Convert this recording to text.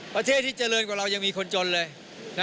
ประเทศที่เจริญกว่าเรายังมีคนจนเลย